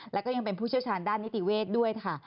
แล้วก็ยังเป็นผู้เชี่ยวชาญด้านนิติเวศด้วยค่ะ